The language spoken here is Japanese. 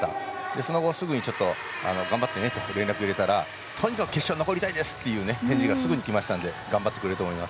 その後すぐに頑張ってねって連絡を入れたらとにかく決勝に残りたいですと返事がすぐにきましたので頑張ってくれると思います。